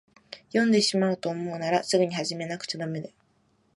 読んでしまおうと思うんなら、すぐに始めなくちゃだめよ。